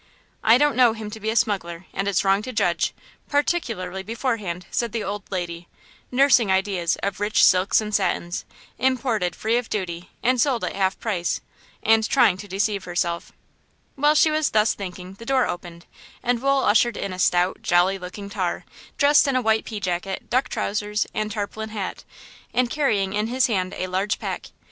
"I don't know him to be a smuggler, and it's wrong to judge, particularly beforehand," said the old lady, nursing ideas of rich silks and satins, imported free of duty and sold at half price, and trying to deceive herself While she was thus thinking the door opened and Wool ushered in a stout, jolly looking tar, dressed in a white pea jacket, duck trousers and tarpaulin hat, and carrying in his hand a large pack.